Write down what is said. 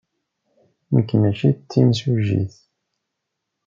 Nekk maci d timsujjit.